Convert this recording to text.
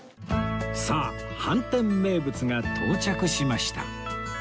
さあ飯店名物が到着しました